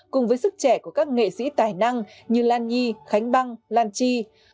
cùng với sức trẻ của các nghệ sĩ tài năng như lan nhi khánh băng lan chi